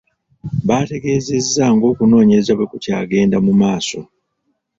Bategeezezza ng'okunoonyereza bwe kukyagenda mu maaso .